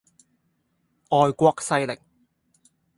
外國勢力